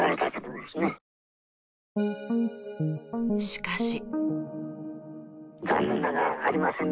しかし。